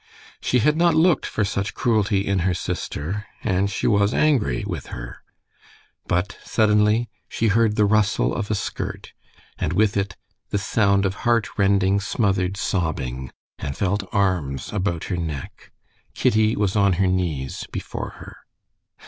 She had not looked for such cruelty in her sister, and she was angry with her. But suddenly she heard the rustle of a skirt, and with it the sound of heart rending, smothered sobbing, and felt arms about her neck. Kitty was on her knees before her.